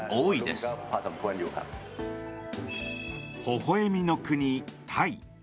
ほほ笑みの国、タイ。